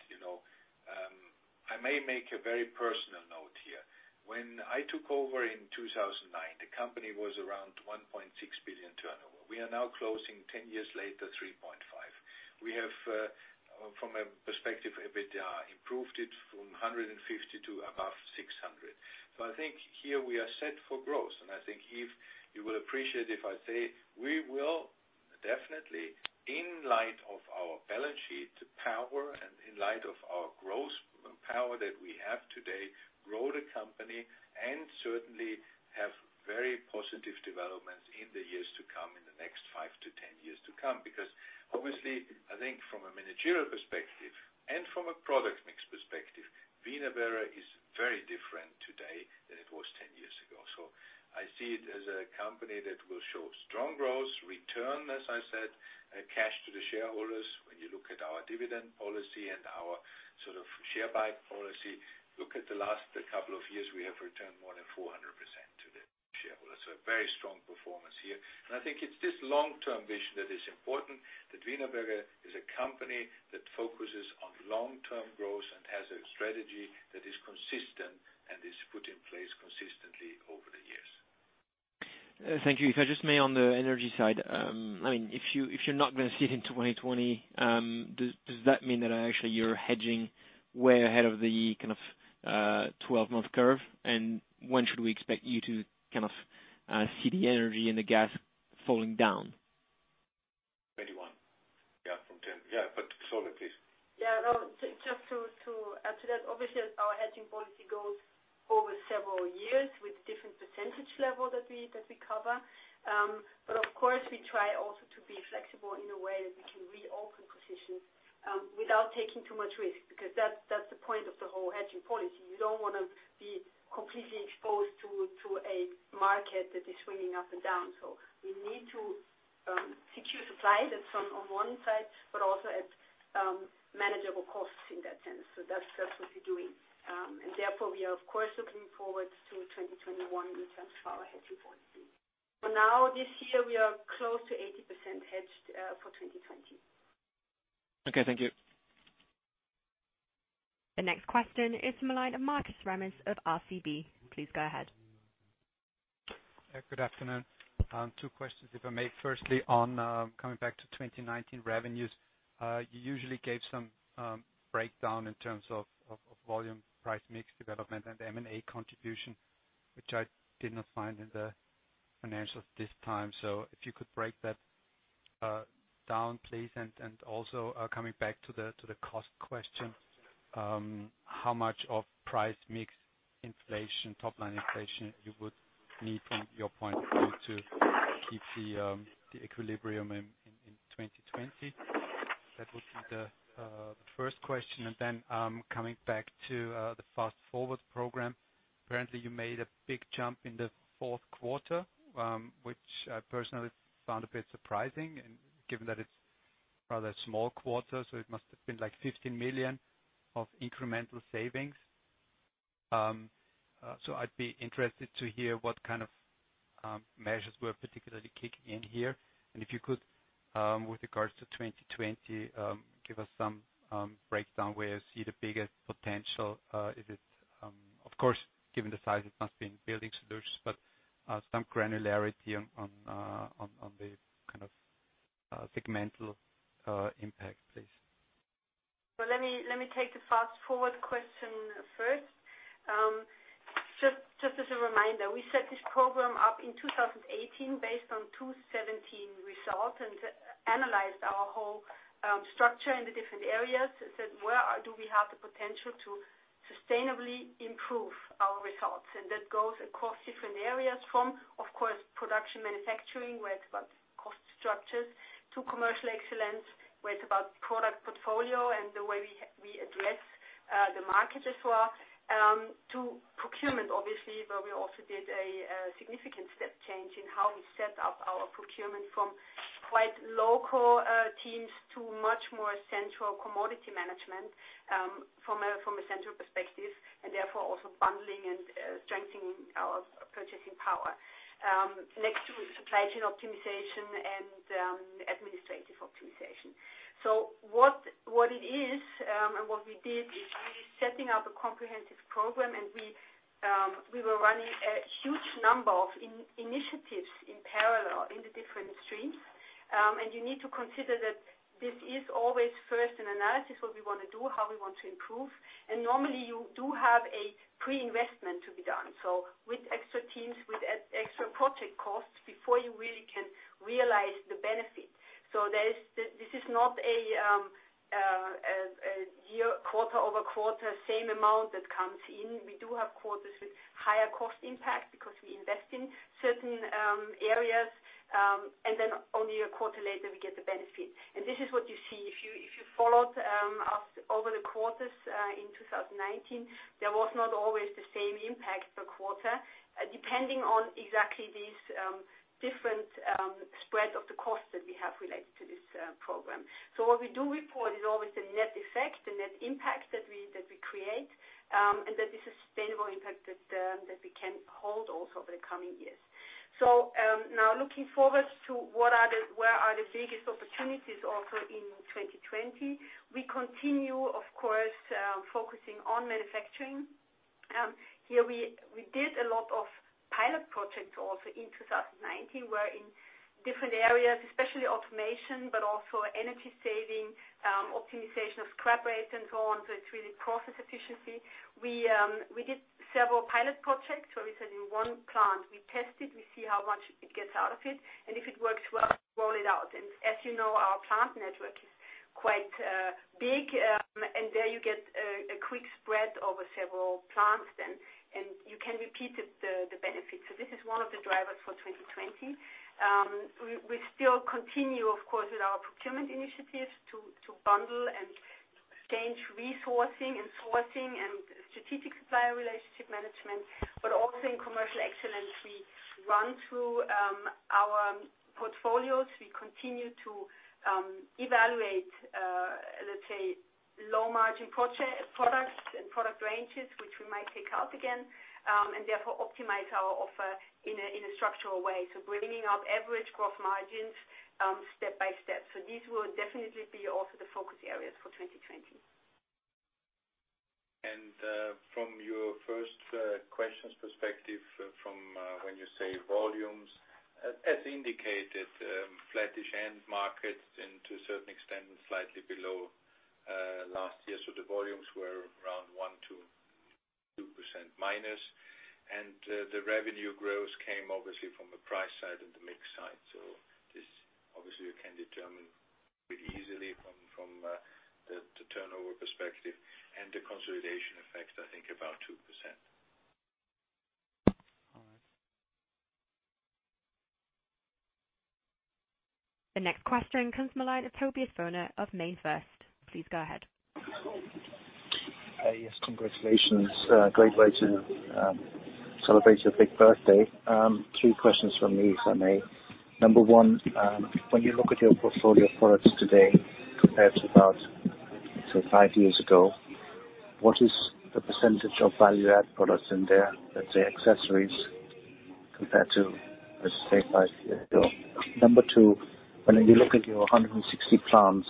I may make a very personal note here. When I took over in 2009, the company was around 1.6 billion turnover. We are now closing, 10 years later, 3.5. We have, from a perspective EBITDA, improved it from 150 to above 600. I think here we are set for growth, and I think you will appreciate if I say we will definitely, in light of our balance sheet power and in light of our growth power that we have today, grow the company and certainly have very positive developments in the years to come, in the next 5-10 years to come. Obviously, I think from a managerial perspective and from a product mix perspective, Wienerberger is very different today than it was 10 years ago. I see it as a company that will show strong growth, return, as I said, cash to the shareholders. When you look at our dividend policy and our share buy policy, look at the last couple of years, we have returned more than 400% to the shareholders. A very strong performance here. I think it's this long-term vision that is important, that Wienerberger is a company that focuses on long-term growth and has a strategy that is consistent and is put in place consistently over the years. Thank you. If I just may, on the energy side. If you're not going to see it in 2020, does that mean that actually you're hedging way ahead of the 12-month curve? When should we expect you to see the energy and the gas falling down? 2021. Yeah, from 10. Yeah, Solveig, please. Just to add to that, obviously our hedging policy goes over several years with different percentage level that we cover. Of course, we try also to be flexible in a way that we can reopen positions without taking too much risk, because that's the point of the whole hedging policy. You don't want to be completely exposed to a market that is swinging up and down. We need to secure supply that's on one side, but also at manageable costs in that sense. That's what we're doing. Therefore, we are, of course, looking forward to 2021 in terms of our hedging policy. For now, this year, we are close to 80% hedged for 2020. Okay, thank you. The next question is from line of Markus Remis of RCB. Please go ahead. Good afternoon. Two questions, if I may. Firstly, on coming back to 2019 revenues. You usually gave some breakdown in terms of volume, price mix development, and M&A contribution, which I did not find in the financials this time. If you could break that down, please. Coming back to the cost question, how much of price mix inflation, top line inflation, you would need from your point of view to keep the equilibrium in 2020? That would be the first question. Coming back to the Fast Forward program. Apparently, you made a big jump in the fourth quarter, which I personally found a bit surprising and given that it's rather a small quarter, so it must have been 15 million of incremental savings. I'd be interested to hear what kind of measures were particularly kicking in here. If you could, with regards to 2020, give us some breakdown where you see the biggest potential. Of course, given the size, it must be in Building Solutions, but some granularity on the kind of segmental impact, please. Let me take the Fast Forward question first. Just as a reminder, we set this program up in 2018 based on 2017 results and analyzed our whole structure in the different areas and said, "Where do we have the potential to sustainably improve our results?" That goes across different areas from, of course, production manufacturing, where it's about cost structures, to commercial excellence, where it's about product portfolio and the way we address the market as well, to procurement, obviously, where we also did a significant step change in how we set up our procurement from quite local teams to much more central commodity management from a central perspective, and therefore, also bundling and strengthening our purchasing power. Next to supply chain optimization and administrative optimization. What it is and what we did is we're setting up a comprehensive program, we were running a huge number of initiatives in parallel in the different streams. You need to consider that this is always first an analysis, what we want to do, how we want to improve. Normally you do have a pre-investment to be done. With extra teams, with extra project costs before you really can realize the benefit. This is not a year quarter-over-quarter, same amount that comes in. We do have quarters with higher cost impact because we invest in certain areas, only a quarter later, we get the benefit. This is what you see. If you followed us over the quarters in 2019, there was not always the same impact per quarter, depending on exactly these different spread of the costs that we have related to this program. What we do report is always the net effect, the net impact that we create, and that the sustainable impact that we can hold also over the coming years. Now looking forward to where are the biggest opportunities also in 2020? We continue, of course, focusing on manufacturing. Here, we did a lot of pilot projects also in 2019. We're in different areas, especially automation, but also energy saving, optimization of scrap rates and so on. It's really process efficiency. We did several pilot projects where we said in one plant, we test it, we see how much it gets out of it. If it works well, we roll it out. As you know, our plant network is quite big and there you get a quick spread over several plants then, and you can repeat the benefits. This is one of the drivers for 2020. We still continue, of course, with our procurement initiatives to bundle and change resourcing and sourcing and strategic supplier relationship management. Also in commercial excellence, we run through our portfolios. We continue to evaluate, let's say, low margin products and product ranges, which we might take out again and therefore optimize our offer in a structural way. Bringing up average growth margins step-by-step. These will definitely be also the focus areas for 2020. From your first question's perspective from when you say volumes, as indicated flattish end markets and to a certain extent, slightly below last year. The volumes were around 1%-2% minus. The revenue growth came obviously from the price side and the mix side. This obviously you can determine pretty easily from the turnover perspective and the consolidation effect, I think about 2%. All right. The next question comes from the line of Tobias Woerner of MainFirst. Please go ahead. Yes, congratulations. Great way to celebrate your big birthday. Two questions from me, if I may. Number 1, when you look at your portfolio of products today compared to about five years ago, what is the percentage of value-add products in there, let's say accessories, compared to, let's say, five years ago? Number 2, when you look at your 160 brick plants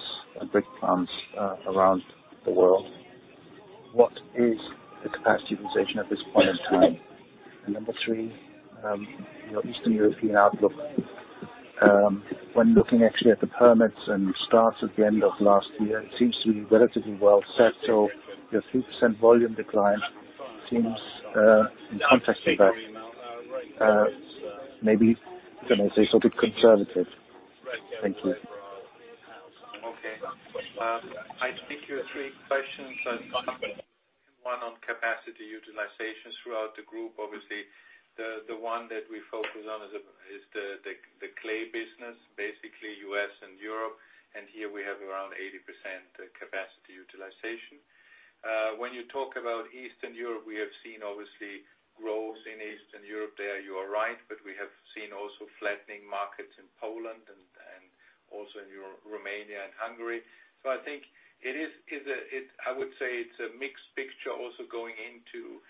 around the world, what is the capacity utilization at this point in time? Number 3, your Eastern European outlook. When looking actually at the permits and starts at the end of last year, it seems to be relatively well set. Your 3% volume decline seems in context of that. Maybe can I say sort of conservative? Thank you. Okay. I think you have three questions, but one on capacity utilization throughout the group. Obviously, the one that we focus on is the clay business, basically U.S. and Europe, and here we have around 80% capacity utilization. When you talk about Eastern Europe, we have seen obviously growth in Eastern Europe. There you are right, but we have seen also flattening markets in Poland and also in Romania and Hungary. I think I would say it's a mixed picture also going into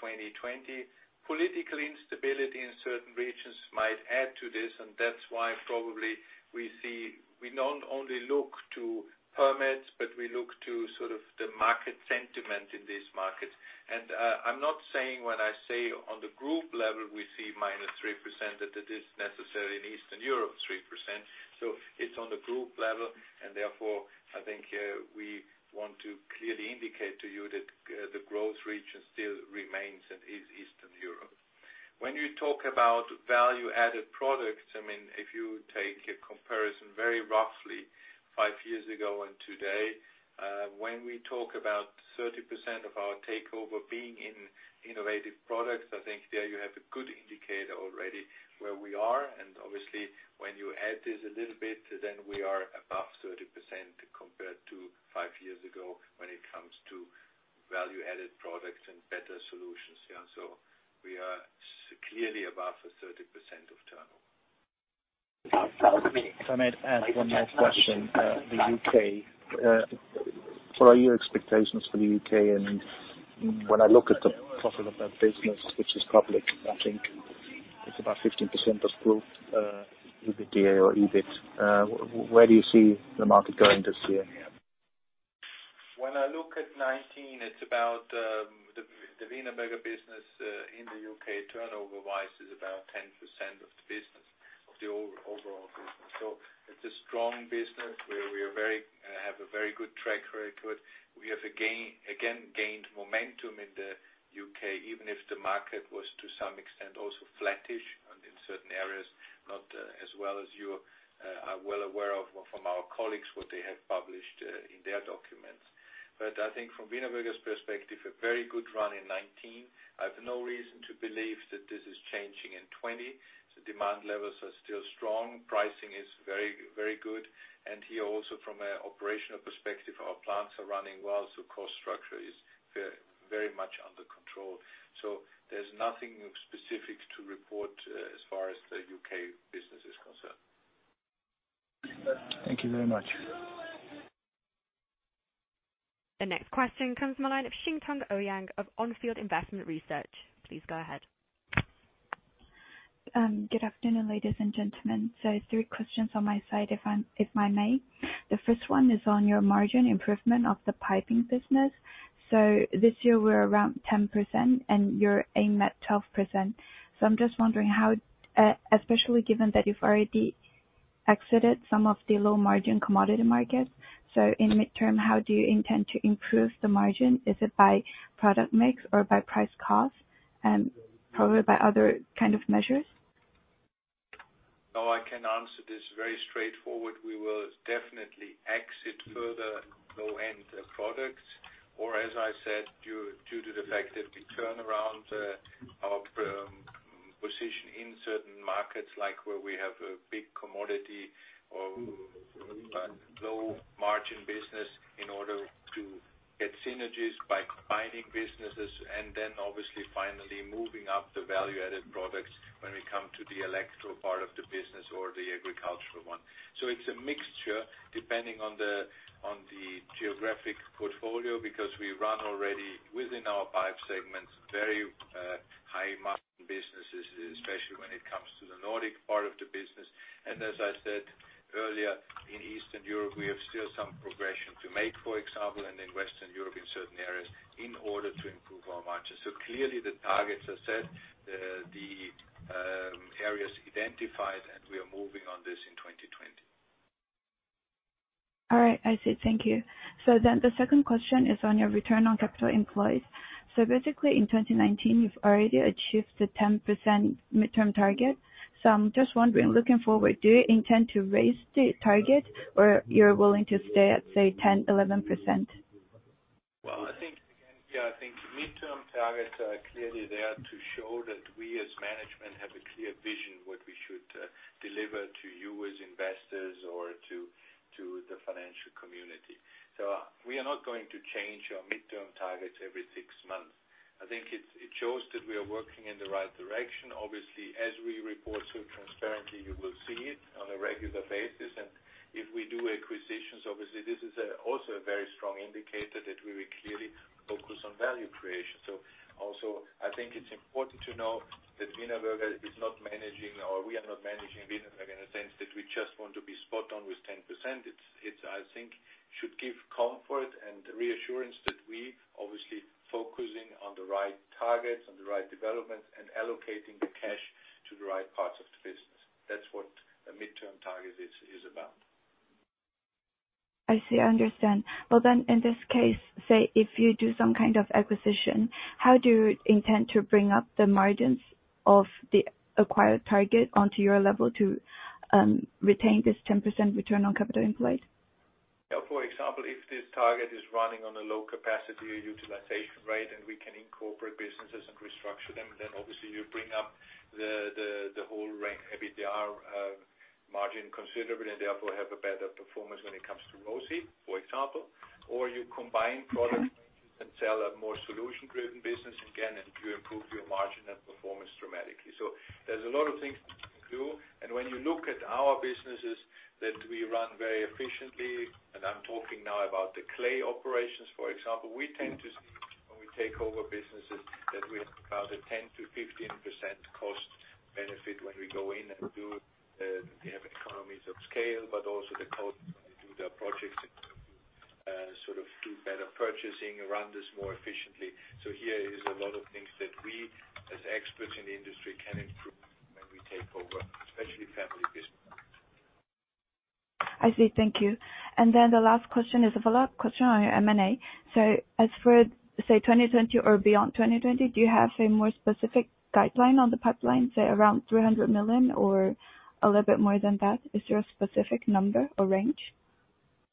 2020. Political instability in certain regions might add to this, and that's why probably we not only look to permits, but we look to sort of the market sentiment in these markets. I'm not saying when I say on the group level we see -3%, that it is necessary in Eastern Europe, 3%. It's on the group level, and therefore, I think we want to clearly indicate to you that the growth region still remains and is Eastern Europe. When you talk about value-added products, if you take a comparison very roughly five years ago and today, when we talk about 30% of our turnover being in innovative products, I think there you have a good indicator already where we are. Obviously when you add this a little bit, then we are above 30% compared to five years ago when it comes to value-added products and better solutions. We are clearly above the 30% of turnover. If I may add one more question. The U.K., what are your expectations for the U.K.? When I look at the profit of that business, which is public, I think it's about 15% of group EBITDA or EBIT. Where do you see the market going this year? When I look at 2019, the Wienerberger business in the U.K., turnover-wise, is about 10% of the overall business. It's a strong business, we have a very good track record. We have again gained momentum in the U.K., even if the market was to some extent also flattish and in certain areas, not as well as you are well aware of from our colleagues what they have published in their documents. I think from Wienerberger's perspective, a very good run in 2019. I've no reason to believe that this is changing in 2020. The demand levels are still strong. Pricing is very good. Here also from an operational perspective, our plants are running well, so cost structure is very much under control. There's nothing specific to report as far as the U.K. business is concerned. Thank you very much. The next question comes from the line of Xingtong Ouyang of Onfield Investment Research. Please go ahead. Good afternoon, ladies and gentlemen. Three questions on my side, if I may. The first one is on your margin improvement of the piping business. This year we're around 10% and you aim at 12%. I'm just wondering how, especially given that you've already exited some of the low-margin commodity markets, you intend to improve the margin in midterm. Is it by product mix or by price cost, and probably by other kind of measures? No, I can answer this very straightforward. We will definitely exit further low-end products. As I said, due to the fact that we turn around our position in certain markets, like where we have a big commodity or low-margin business in order to get synergies by combining businesses, then obviously finally moving up the value-added products when we come to the electrical part of the business or the agricultural one. It's a mixture depending on the geographic portfolio, because we run already within our pipe segments, very high-margin businesses, especially when it comes to the Nordic part of the business. As I said earlier, in Eastern Europe, we have still some progression to make, for example, and in Western Europe in certain areas in order to improve our margins. Clearly the targets are set, the areas identified, and we are moving on this in 2020. All right. I see. Thank you. The second question is on your return on capital employed. Basically in 2019, you've already achieved the 10% midterm target. I'm just wondering, looking forward, do you intend to raise the target or you're willing to stay at, say, 10%, 11%? Well, I think midterm targets are clearly there to show that we as management have a clear vision what we should deliver to you as investors or to the financial community. We are not going to change our midterm targets every six months. I think it shows that we are working in the right direction. Obviously, as we report so transparently, you will see it on a regular basis. If we do acquisitions, obviously this is also a very strong indicator that we will clearly focus on value creation. Also, I think it's important to know that Wienerberger is not managing, or we are not managing Wienerberger in a sense that we just want to be spot on with 10%. It, I think, should give comfort and reassurance that we're obviously focusing on the right targets and the right developments and allocating the cash to the right parts of the business. That's what a midterm target is about. I see. I understand. Well, in this case, say if you do some kind of acquisition, how do you intend to bring up the margins of the acquired target onto your level to retain this 10% return on capital employed? If this target is running on a low capacity utilization rate and we can incorporate businesses and restructure them, then obviously you bring up the whole EBITDA margin considerably and therefore have a better performance when it comes to ROCE, for example. You combine products and sell a more solution-driven business again, you improve your margin and performance dramatically. There's a lot of things you can do, when you look at our businesses that we run very efficiently, I'm talking now about the clay operations, for example. We tend to see when we take over businesses that we have about a 10%-15% cost benefit when we go in and do. They have economies of scale, but also the cost when we do the projects and do better purchasing, run this more efficiently. Here is a lot of things that we, as experts in the industry, can improve when we take over, especially family business. I see. Thank you. The last question is a follow-up question on your M&A. As for, say, 2020 or beyond 2020, do you have a more specific guideline on the pipeline, say, around 300 million or a little bit more than that? Is there a specific number or range?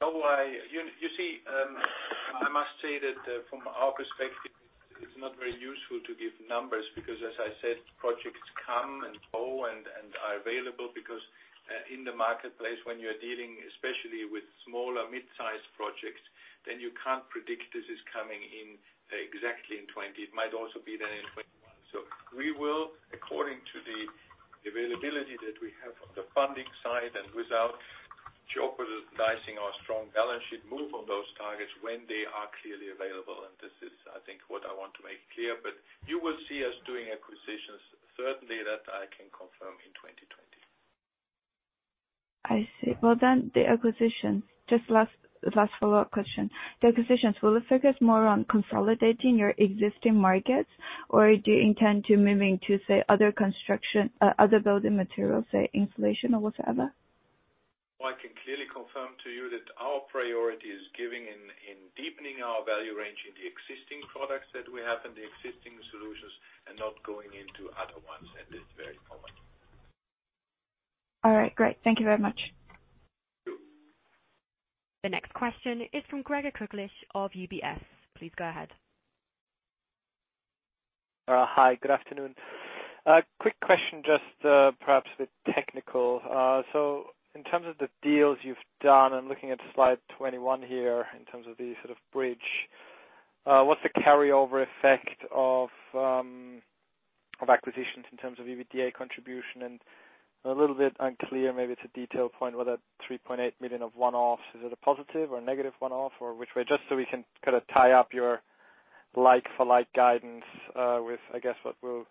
You see, I must say that from our perspective, it's not very useful to give numbers because, as I said, projects come and go and are available. In the marketplace, when you're dealing, especially with small or mid-sized projects, then you can't predict this is coming in exactly in 2020. It might also be then in 2021. We will, according to the availability that we have on the funding side and without jeopardizing our strong balance sheet, move on those targets when they are clearly available. This is, I think, what I want to make clear. You will see us doing acquisitions, certainly that I can confirm in 2020. I see. The acquisitions. Just last follow-up question. The acquisitions, will it focus more on consolidating your existing markets, or do you intend to moving to, say, other building materials, say insulation or whatever? I can clearly confirm to you that our priority is giving in deepening our value range in the existing products that we have and the existing solutions and not going into other ones at this very moment. All right, great. Thank you very much. Thank you. The next question is from Gregor Kuglics of UBS. Please go ahead. Hi. Good afternoon. Quick question, just perhaps a bit technical. In terms of the deals you've done and looking at slide 21 here in terms of the sort of bridge, what's the carryover effect of acquisitions in terms of EBITDA contribution? A little bit unclear, maybe it's a detail point, whether 3.8 million of one-offs, is it a positive or negative one-off, or which way? We can tie up your like for like guidance with, I guess, what will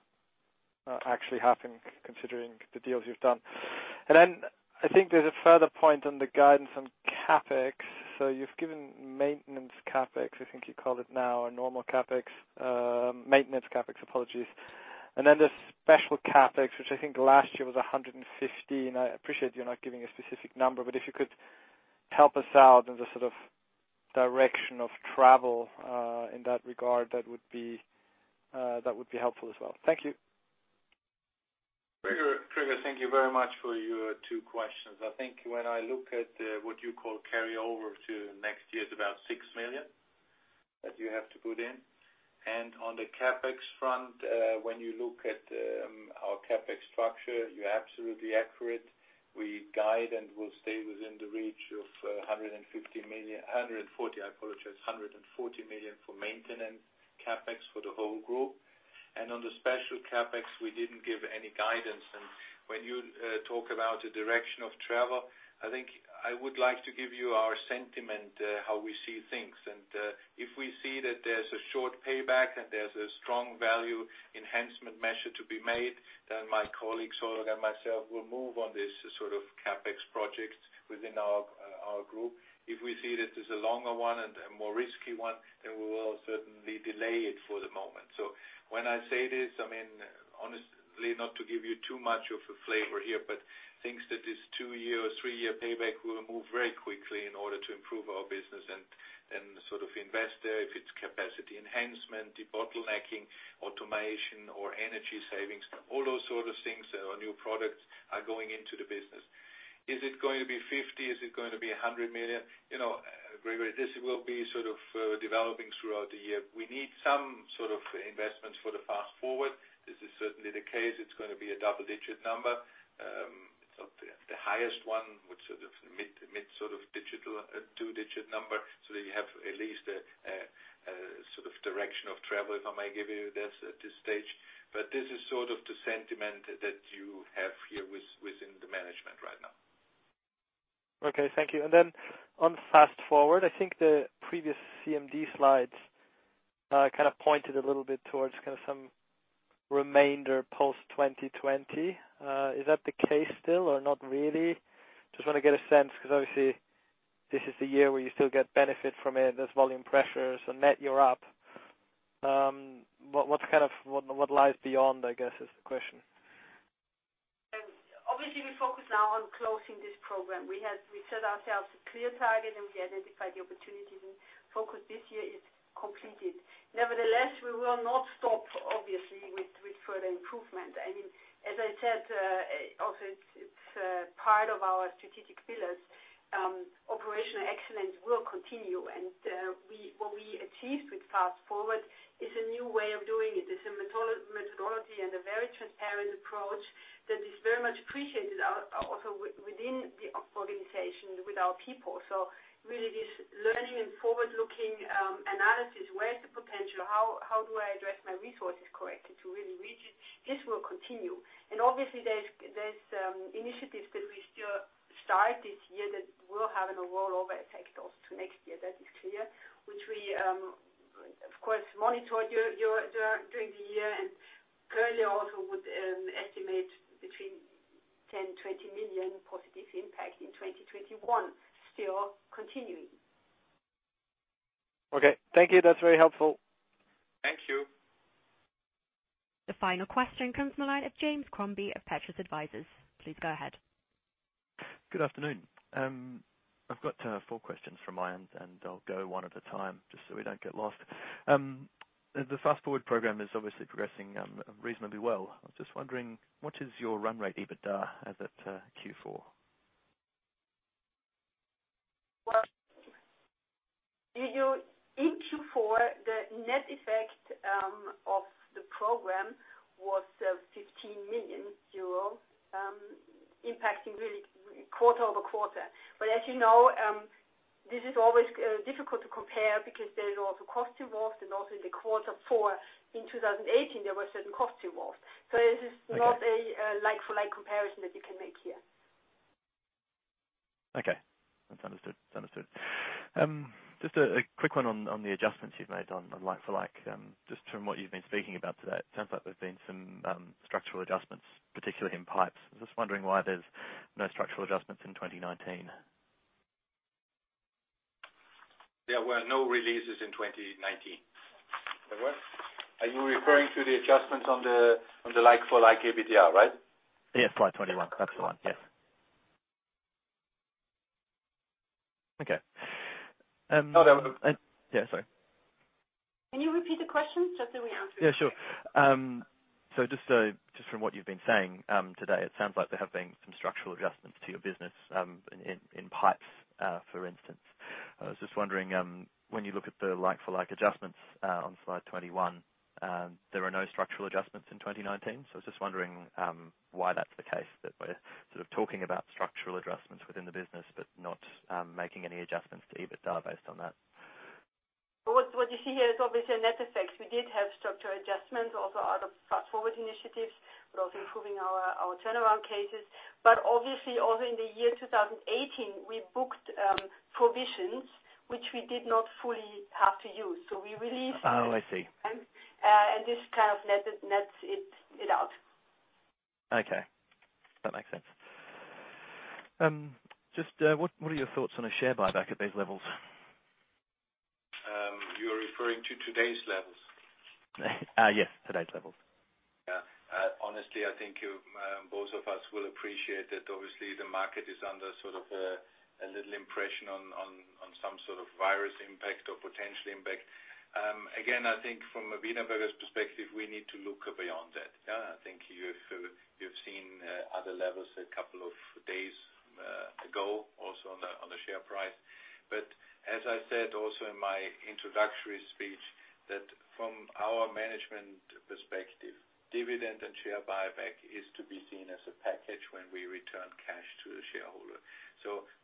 actually happen considering the deals you've done. I think there's a further point on the guidance on CapEx. You've given maintenance CapEx, I think you call it now, Maintenance CapEx, apologies. There's special CapEx, which I think last year was 115. I appreciate you're not giving a specific number, but if you could help us out in the sort of direction of travel in that regard, that would be helpful as well. Thank you. Gregor, thank you very much for your two questions. I think when I look at what you call carryover to next year, it's about 6 million that you have to put in. On the CapEx front, when you look at our CapEx structure, you're absolutely accurate. We guide and will stay within the reach of 150 million, 140 million, I apologize, 140 million for maintenance CapEx for the whole group. On the special CapEx, we didn't give any guidance. When you talk about the direction of travel, I think I would like to give you our sentiment, how we see things. If we see that there's a short payback and there's a strong value enhancement measure to be made, then my colleague, Solveig, and myself will move on this sort of CapEx projects within our group. If we see that there's a longer one and a more risky one, then we will certainly delay it for the moment. When I say this, I mean, honestly, not to give you too much of a flavor here, but things that is two-year, three-year payback will move very quickly in order to improve our business and sort of invest there. If it's capacity enhancement, debottlenecking, automation, or energy savings, all those sort of things or new products are going into the business. Is it going to be 50? Is it going to be 100 million? Gregor, this will be sort of developing throughout the year. We need some sort of investments for the Fast Forward. This is certainly the case. It's going to be a double-digit number. It's not the highest one, but sort of mid sort of two-digit number. That you have at least a sort of direction of travel, if I might give you this at this stage. This is sort of the sentiment that you have here within the management right now. Okay, thank you. On Fast Forward, I think the previous CMD slides kind of pointed a little bit towards some remainder post-2020. Is that the case still or not really? Just want to get a sense, because obviously this is the year where you still get benefit from it. There's volume pressures and net you're up. What lies beyond, I guess, is the question? We focus now on closing this program. We set ourselves a clear target, and we identified the opportunities, and focus this year is completed. We will not stop, obviously, with further improvement. As I said, also it's part of our strategic pillars. Operational excellence will continue, and what we achieved with Fast Forward is a new way of doing it. It's a methodology and a very transparent approach that is very much appreciated also within the organization with our people. Really this learning and forward-looking analysis, where is the potential? How do I address my resources correctly to really reach it? This will continue. Obviously, there's initiatives that we still start this year that will have a rollover effect also to next year. That is clear, which we, of course, monitored during the year and currently also would estimate between 10 million-20 million positive impact in 2021 still continuing. Okay. Thank you. That's very helpful. Thank you. The final question comes from the line of James Crombie of Petrus Advisers. Please go ahead. Good afternoon. I've got four questions from my end, and I'll go one at a time just so we don't get lost. The Fast Forward program is obviously progressing reasonably well. I was just wondering, what is your run rate EBITDA as at Q4? Well, in Q4, the net effect of the program was 15 million euro, impacting really quarter-over-quarter. As you know, this is always difficult to compare because there is also costs involved, and also in the quarter four in 2018, there were certain costs involved. Okay not a like-for-like comparison that you can make here. Okay. That's understood. Just a quick one on the adjustments you've made on like-for-like. Just from what you've been speaking about today, it sounds like there's been some structural adjustments, particularly in pipes. I'm just wondering why there's no structural adjustments in 2019. There were no releases in 2019. Are you referring to the adjustments on the like-for-like EBITDA, right? Yes, slide 21. That's the one, yes. Okay. No. Yeah, sorry. Can you repeat the question just so we answer it? Yeah, sure. Just from what you've been saying today, it sounds like there have been some structural adjustments to your business, in pipes, for instance. I was just wondering, when you look at the like-for-like adjustments on slide 21, there are no structural adjustments in 2019. I was just wondering why that's the case, that we're sort of talking about structural adjustments within the business but not making any adjustments to EBITDA based on that. What you see here is obviously a net effect. We did have structural adjustments, also out of Fast Forward initiatives, but also improving our turnaround cases. Obviously, also in the year 2018, we booked provisions which we did not fully have to use. We released- Oh, I see. This kind of nets it out. Okay. That makes sense. Just what are your thoughts on a share buyback at these levels? You're referring to today's levels? Yes, today's levels. Honestly, I think both of us will appreciate that obviously the market is under a little impression on some sort of virus impact or potential impact. Again, I think from a Wienerberger's perspective, we need to look beyond that. I think you've seen other levels a couple of days ago also on the share price. As I said also in my introductory speech, that from our management perspective, dividend and share buyback is to be seen as a package when we return cash to the shareholder.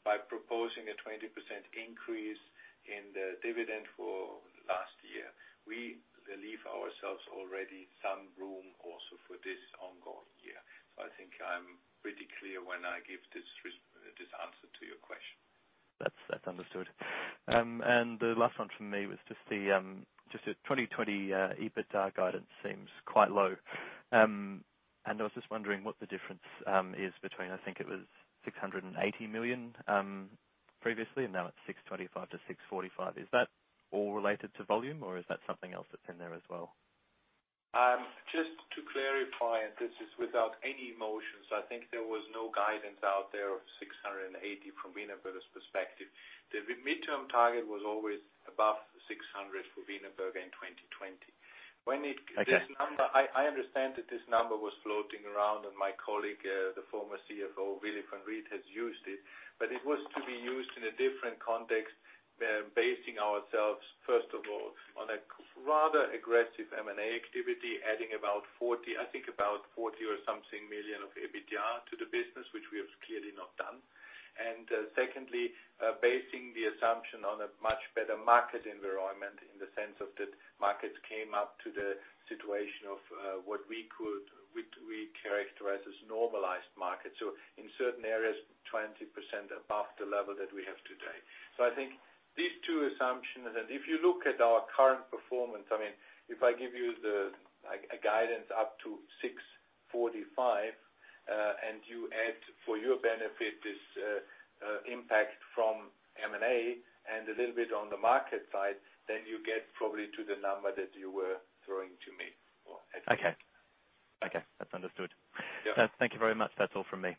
By proposing a 20% increase in the dividend for last year, we leave ourselves already some room also for this ongoing year. I think I'm pretty clear when I give this answer to your question. That's understood. The last one from me was just the 2020 EBITDA guidance seems quite low. I was just wondering what the difference is between, I think it was 680 million previously, and now it's 625 million-645 million. Is that all related to volume, or is that something else that's in there as well? Just to clarify, and this is without any emotions, I think there was no guidance out there of 680 from Wienerberger's perspective. The midterm target was always above 600 for Wienerberger in 2020. Okay. I understand that this number was floating around, and my colleague, the former CFO, Willy Van Riet, has used it. It was to be used in a different context, basing ourselves, first of all, on a rather aggressive M&A activity, adding about 40 million of EBITDA to the business, which we have clearly not done. Secondly, basing the assumption on a much better market environment in the sense of that markets came up to the situation of what we characterize as normalized market. In certain areas, 20% above the level that we have today. I think these two assumptions, and if you look at our current performance, if I give you a guidance up to 645, and you add for your benefit, this impact from M&A and a little bit on the market side, then you get probably to the number that you were throwing to me. Okay. That's understood. Yeah. Thank you very much. That's all from me.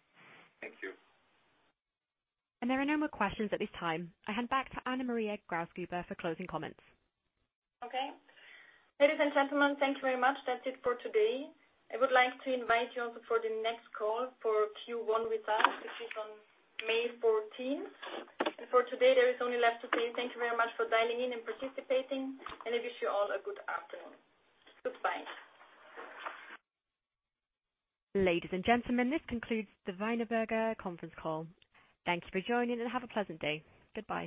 Thank you. There are no more questions at this time. I hand back to Anna Maria Grausgruber for closing comments. Okay. Ladies and gentlemen, thank you very much. That's it for today. I would like to invite you also for the next call for Q1 results, which is on May 14th. For today, there is only left to say thank you very much for dialing in and participating, and I wish you all a good afternoon. Goodbye. Ladies and gentlemen, this concludes the Wienerberger conference call. Thank you for joining, and have a pleasant day. Goodbye.